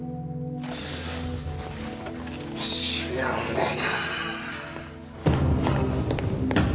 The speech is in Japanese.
違うんだよなあ。